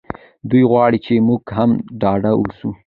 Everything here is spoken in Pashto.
دی غواړي چې موږ هم ډاډه اوسو.